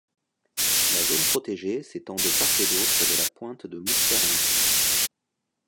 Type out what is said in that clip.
La zone protégée s'étend de part et d'autre de la Pointe de Mousterlin.